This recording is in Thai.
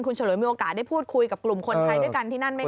ฉลวยมีโอกาสได้พูดคุยกับกลุ่มคนไทยด้วยกันที่นั่นไหมค